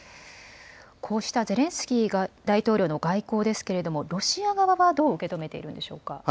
こうしたゼレンスキー大統領の外交ですけれども、ロシア側はどう受け止めているんでしょうか。